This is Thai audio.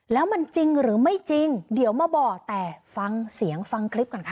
แล้วมันจริงหรือไม่จริงเดี๋ยวมาบอกแต่ฟังเสียงฟังคลิปก่อนค่ะ